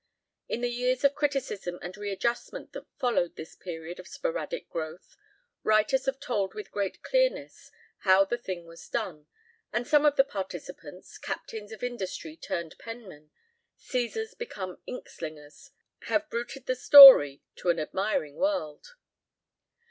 In the years of criticism and readjustment that followed this period of sporadic growth, writers have told with great clearness how the thing was done, and some of the participants, captains of industry turned penmen, Caesars become ink slingers, have bruited the story to an admiring world.